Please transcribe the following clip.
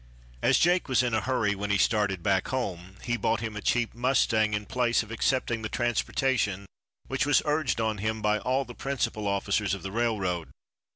As Jake was in a hurry when he started back home, he bought him a cheap mustang in place of accepting the transportation which was urged on him by all the principal officers of the railroad.